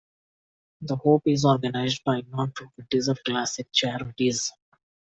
"The Hope" is organized by the nonprofit Desert Classic Charities.